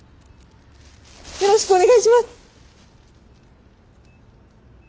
よろしくお願いします！